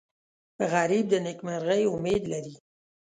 غریب د نیکمرغۍ امید لري